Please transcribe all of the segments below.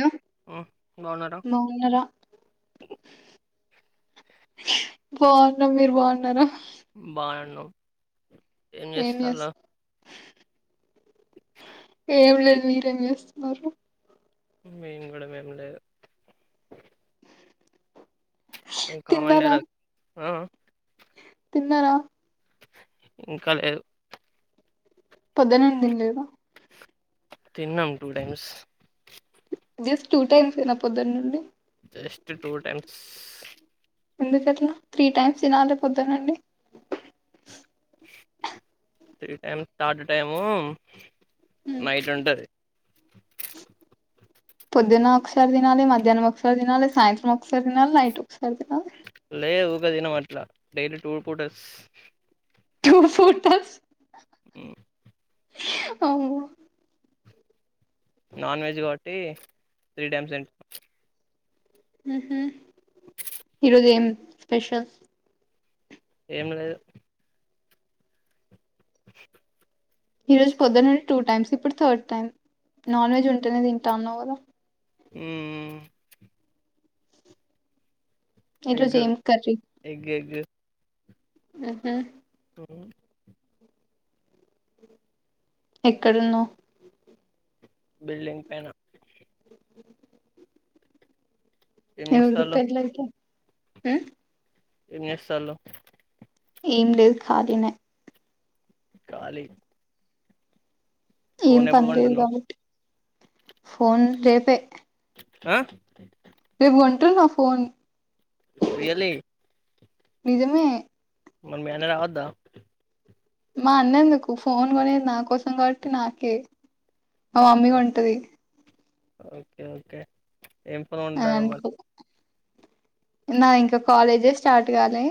Hello హ్మ్. బాగున్నారా? మౌన్నార బాగుఉన్నాం మీరు బావుఉన్నారా బాఅన్నాం ఏమ్ చేస్తలా ఏమ్ లేదు మీరే ఏమ్ చేస్తుఉన్నారు మేమ్ కూడా విన్ లేదు ఇన్ కామన్ తిన్నారా డైలాగ్ ఆ తిన్నారా ఇంకా లేదు పొద్దునే తిన్ లేదా తిన్నాంమ్ two times just two times ఏన పొద్దున్ నుండి జస్ట్ టూ టైమ్స్ ఎందుకు అట్లా త్రీ టైమ్స్ తినాలి పొద్దున్ నుండి త్రి టైమ్ తాడ్డ్ టై యము నైట్ ఉంట అది పొద్దున ఒక్ సారి తినాలే మధ్యానం ఒక్ సారి తినాలే సాయంత్రం ఒక్ సారి తినాలే నైట్ ఒక్ సారి తినాలే లే ఊక దినం అట్లా డెలీ టూ పూట అస్ టూ ఫూటఅస్ ఈ అఓ నాన్ వెజ్ కాబట్టి త్రీ టైమ్స్ తిన్ ఈరోజు ఏం స్పెషల్ ఏం లేదు ఈ రోజు పొద్దున నుండి టూ టైమ్స్ ఇప్పుడు థర్డ్ టైమ్ నాన్ వెజ్ ఉంటేనే తింటాన్నావు కదా మ్మ్ ఈరోజు ఎగ్, ఏం కర్రీ ఎగ్, ఎగ్. ఆహ అ ఎక్కడ ఉన్నావ్ బిల్డింగ్ పైన ఏం ఎవరిది చేస్తాల్లు? పెళ్లయితా ఆ ఏం జేస్తల్లు ఏం లేదు ఖాళీనే ఖాళీ ఏం ఫోన్ ఎప్పుడు పనిలేదు కొంటున్నవు? కాబట్టి ఫోన్ రేపే ఆ రేపు కొంటున్న ఫోన్ రియల్లీ నిజమే మరి మీ అన్న రావద్దా మా అన్నందుకు ఫోన్ కొనేది నా కోసం కాబట్టి నాకే మా మమ్మీగా కొంటది ఓకే ఓకే ఏం ఫోన్ అని కొంటన్నవ్ మరి అనుకో నా ఇంకా కాలేజే స్టార్ట్ కాలే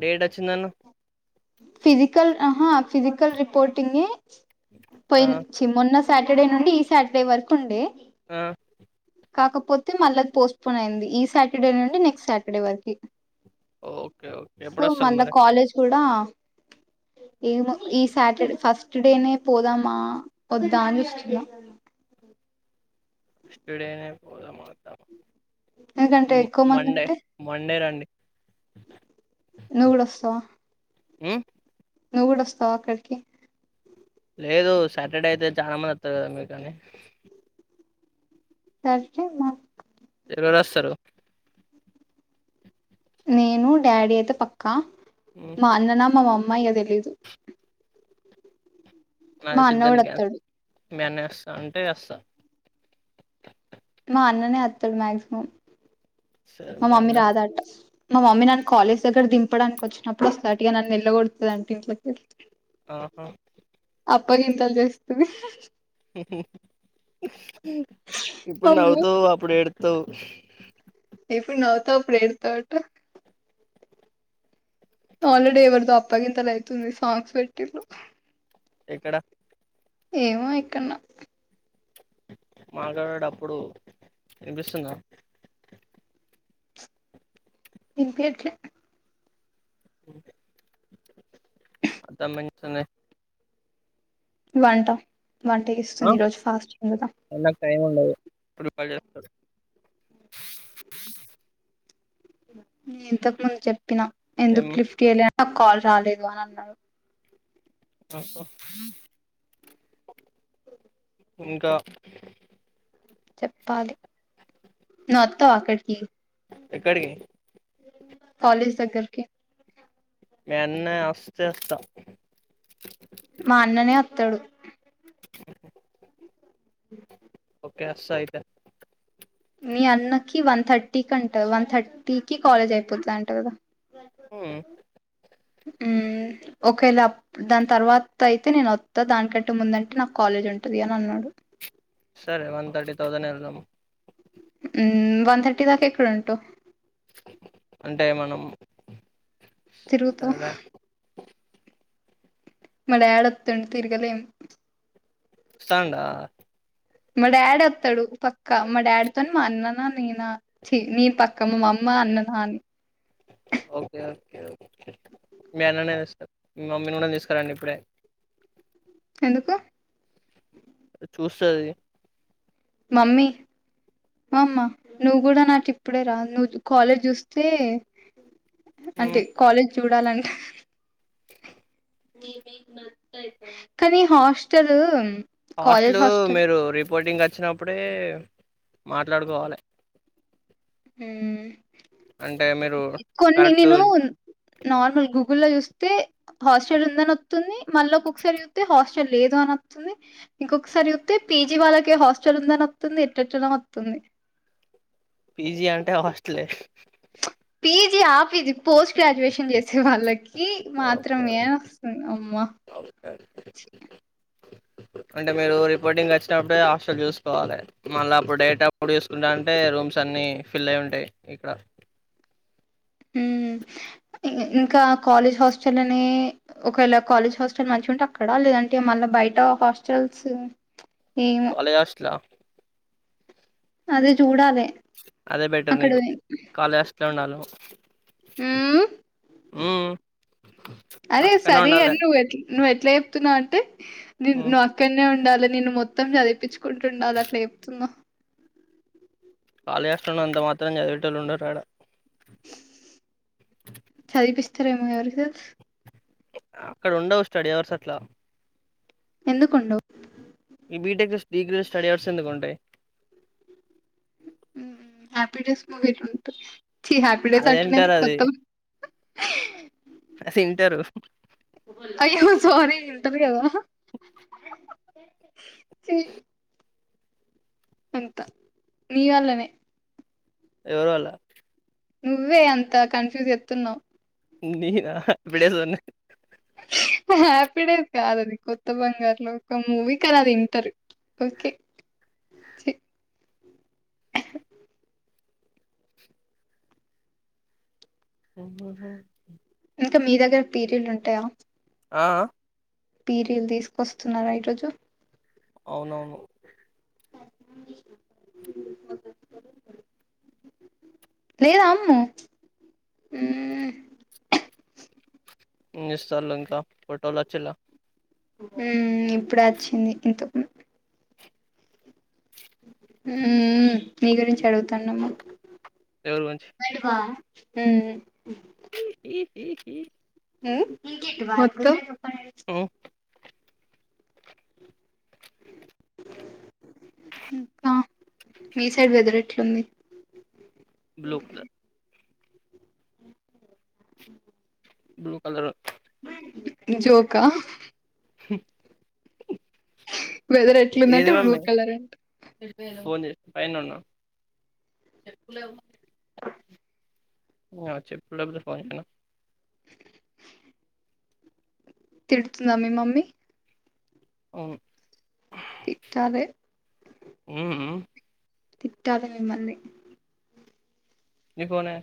డేట్ వచ్చిందన్నవు ఫిజికల్ ఆహా ఫిజికల్ రిపోర్టింగ్ ఆ! పోయించి మొన్న సాటర్డే నుండి ఈ సాటర్డే వరకు ఉండే ఆ కాకపోతే మళ్ళీది పోస్ట్పోన్ అయింది ఈ సాటర్డే నుండి నెక్స్ట్ సాటర్డే వరకి ఓకే ఓకే. ఎప్పుడొస్తారు మళ్ళా మరి? కాలేజ్ కూడా ఏమో ఈ సాటర్డే ఫస్ట్ డేనే పోదామా వద్దా అని చూస్తున్న అ నేస్డేనే పోదా మాతా ఎందుకంటే ఎక్కువ మంది మండే ఉంటే మండే రండి నువ్వు కూడా వస్తావా ఆ నువ్వు కూడా వస్తావ అక్కడికి లేదు సాటర్డే అయితే చాలా మంది అత్తరు కదా మీకు కాని సరి మా ఎవరెవరు వస్తారు నేను డాడీ అయితే పక్కా హ్మ్. మా అన్ననా మా మమ్మ ఇగ తెలీదు మా అన్న గూడ ఒత్తడు మేనర్స్ అంటే అస్తా మా అన్ననే అత్తడు మ్యాగ్సిమం సరే మా మీ మమ్మీ అన్న రాదట మా మమ్మీ నన్ను కాలేజ్ దగ్గర దింపడానికి వచ్చినప్పుడు సట్టిగా నన్ను ఎల్లగొడతాదని ఇంట్లకి ఆహా అప్పగింతలు జేస్తిమి ఇప్పుడు అమ్మో నవ్వుతూ అప్పుడు ఏడు తూ ఎప్పుడు నవ్వుతావ్ ఎప్పుడు ఎడుత్తావ్ ఎటో ఆల్రెడీ ఎవరిదో అప్పగింతలైతుంది సాంగ్స్ పెట్టిర్రు ఎక్కడ ఏమో ఎక్కన్నో మాటాడేడప్పుడు ఇన్పిస్తుందా ఇన్పియ్యట్లే అంతా మెన్సనే వంట వంట ఆ! జేస్తుంది ఈరోజు ఫాస్టింగ్ గదా నాకు టైం ఉండదు ప్రిపేర్ జేస్తారు నే ఇంతకు ముందు చెప్పినా ఏం ఎందుకు లిఫ్ జెయ్యలే నాక్ కాల్ రాలేదు అని అన్నారు తస్సు ఇంకా చెప్పాలి నువ్వు అత్తవా అక్కడికి ఎక్కడికి కాలేజ్ దగ్గరికి మీ అన్నయ్య వస్తే వొస్తా తడు [unintelligible] [unintelligible] ఒకే అస్తా అయితే మీ అన్నకి వన్ థర్టీ కంట వన్ థర్టీకిి కాలేజ్ అయిపోతుదంట గదా ఊ ఊ ఒకవేళ అప్ దాని తర్వాత్ అయితే నేన్ వొత్తా దానికంటే ముందంటేషనాకు కాలేజ్ ఉంటుది అని అన్నాడు సరే వన్ థర్టీ థౌసన్ ఎళ్దాము ఉమ్ వన్ థర్టీ దాకా ఎక్కడుంటవ్ అంటే మనం తిరుగుతూ సరే మా డాడ్ ఒత్తుండు తిరగలేం స్సాండా మా డాడి ఒత్తడు పక్కా మా డాడితోని మా అన్ననా నేనా ఛీ నేను పక్క మా మమ్ మా‌ అన్న నా అని ఓకే ఓకే ఓక్కే మీ అన్న నే వేస్తా మీ మమ్మిని గూనా తీస్కురాండి ఇప్పుడే ఎందుకు చూస్తది. మమ్మీ! మా అమ్మా నువ్వు గుడా నాకు ఇప్పుడే రా నువ్వు కాలేజ్ జూస్తే అంటే కాలేజ్ చూడాలని [unintelligible] కానీ హాస్టలు హాస్టల్ మీరు రిపోర్టింగ్ అది ఇచ్చినప్పుడే మాట్లాడుకోవాలే హ్మ్ మీరు కొన్ని కరెక్ట్ నేను నార్మల్ గు గూగుల్ లో చూస్తే హాస్టల్ ఉందని వత్తుంది మళ్ళీ ఒక్కొక్కసారి చూత్తే హాస్టల్ లేదు అని వత్తంది ఇంకొక్కసారి జూత్తే పీజీ వాళ్ళకే హాస్టల్ ఉందని వత్తుంది ఎట్టేట్టనో వత్తంది పిజి అంటే హాస్టలే పిజీ అ పీజి పోస్ట్ గ్రాడ్యుయేషన్ చేసే వాళ్ళకి ఓకే మాత్రమే వస్తుంది అమ్మ [inaudible] అంటే మీరు రిపోర్టింగ్ కి వచ్చినప్పుడే హాస్టల్ చూసుకోవాలి మళ్ళా అప్పుడు డే అప్పుడు చూసుకుంటానంటే రూమ్స్ అన్ని ఫిల్ అయి ఉంటాయి ఇక్కడ [inaudible] హ్మ్ ఇంకా కాలేజ్ హాస్టల్నే ఒకవేళ కాలేజ్ హాస్టల్ మంచిగా ఉంటే అక్కడ లేదంటే మళ్ళా బయట హాస్టల్స్ ఏమో కాలేజ్ హాస్టలా అదే చూడాలే అదే బెటర్ నీకు కాలేజ్ హాస్టల్ లో ఉండాలి ఉమ్ హ్మ్ అరే అక్కడనే సరే ఉండాలి ఎల్లు ఎట్ల నువ్వే ఎట్ల చెప్తున్నావ్ అంటే హ్మ్ నువ్వు అక్కడనే ఉండాలి అలా నేను మొత్తం చదిపించుకుంటు ఉండాలి అట్లా చెప్తుందో కాలేజిహాస్టల్లో అంత మాత్రం చదివేటోళ్ళు ఉండరాడ ఇతరేమో ఎవరికి తెలుసు అక్కడ ఉండవు స్టడీ అవర్స్ అట్ల ఎందుకుండవ్ ఈ బిటెక్ డిగ్రీ స్టడీ అవర్స్ ఎందుకుంటాయి హ్యాపీడేస్ మూవీ [unintelligible] చి హ్యాపీ డేస్ అది అట్టనే ఇంటర్ అది కొత్త అది ఇంటర్ అయ్యో సారీ ఇంటర్ గద చీ అంత నీ వల్లనే ఎవరి వల్ల నువ్వే అంతా కన్ఫ్యూజేత్తున్నావ్ నేనా హేపీ డేస్ అన్నీ హ్యాపీ డేస్ కాదది కొత్త బంగారు లోకం మూవీ కదా అది ఇంటరు ఓకే ఛీ అ [inaudible] ఇంకా మీ దగ్గర పీరియడ్ ఉంటయా ఆ అ పీరియల్ తీసుకొస్తున్నారా ఈ రోజు అవునవును [inaudible] లేదా అమ్ము ఇస్తార్లంకా పటోల్ వచ్చిల్లా మ్ ఇప్పుడు వచ్చింది ఇంతకు ఉ మీ గురించి అడుగుతుాన్నామ ఎవరు మంచ్ హుమ్ మ్ వద్దు ఒ ఆ మీ సైడ్ వెదర్ ఎట్ల ఉంది లుక్ బ్లూ కలర్ జోక వెదర్ ఎట్లుందంటే ఏదో బ్లూ మె కలర్ అంట పోన్ చేయ్ పైనె ఉన్నా ఆ చెప్పు లేపోతే ఫోన్ చేయనా తిడ్తుందా మీ మమ్మీ అవును తిట్టాలే మ్ తిట్టాలి మమ్మల్ని నీ ఫోనె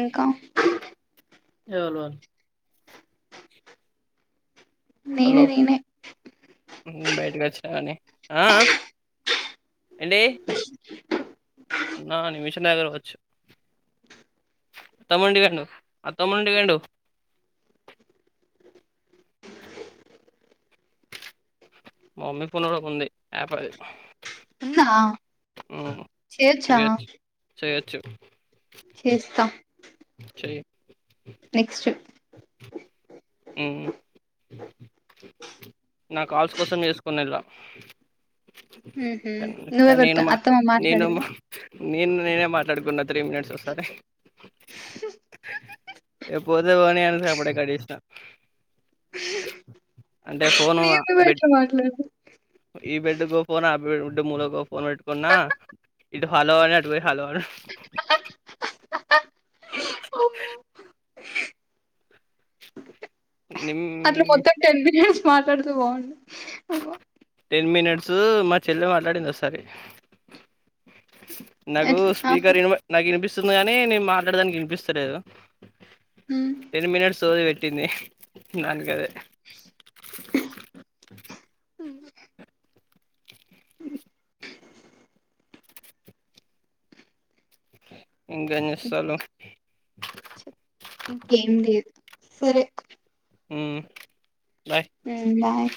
ఇంక ఎవర్ వాల్ హలో నేనె నేనె బయటకి వచ్చా కాని అ ఆ ఏంటి అన్నా నిమిషన్ దాగా వచ్చు అత్తమండి గాను అత్తమండి గాడు మా మమ్మీ ఫోన్ ల ఉంది యాప్ అది ఉందా చేయచ్చా చెయొచ్చు చెయొచ్చు చెయి నెక్స్ట్ ఉ నా కాల్స్ కోసం వేసుకోనిలా ఉహు కాని నేను నువ్వెవరితో మా అత్తమ్మ నేను మా మాట్లాడిందా నేను నేనే మాట్లాడుకున్నా త్రీ మినిట్స్ ఒక సారి ఇక పో యితె పోని అను సపడే కటి చేసిన అంటే ఫోను నేను నువ్వు బెడ్ ఎట్లా మాట్లాడు ఈ బెడ్ కు ఒక ఫోన్ ఆ బెడ్ మూలక ఒక ఫోన్ పెట్టుకున్నా ఇటు హలో అనే అటు హలో అమ్మో. అట్లా నిమ్ మొత్తం టెన్ మినిట్స్ మాట్లాడుతే బాగుండు టెన్ మినిట్స్ మా చెల్లె మాట్లాడింది ఒకసారి నాకు అట్లా ఆహా స్పీకర్ వి నాకు వినిపిస్తుంది కాని నేను మాట్లాడడానికి వినిపిస్తలేదు ఉమ్ టెన్ మినిట్స్ సోది పెట్టింది నాన్న గారే అ అ ఇంకా ఎం చేస్తాలు చెప్పు ఇంకేం లేదు సరే ఆమ్ ఉమ్ బాయ్